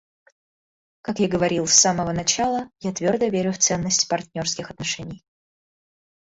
Как я говорил с самого начала, я твердо верю в ценность партнерских отношений.